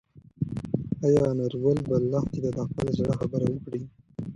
ایا انارګل به لښتې ته د خپل زړه خبره وکړي؟